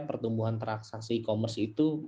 pertumbuhan transaksi e commerce itu